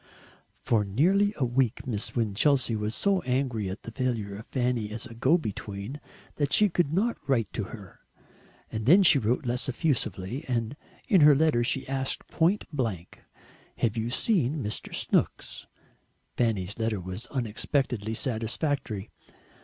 For nearly a week Miss Winchelsea was so angry at the failure of Fanny as a go between that she could not write to her. And then she wrote less effusively, and in her letter she asked point blank, "Have you seen Mr. Snooks?" Fanny's letter was unexpectedly satisfactory.